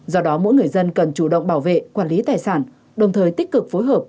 do đó mỗi người dân cần chủ động bảo vệ quản lý tài sản đồng thời tích cực phối hợp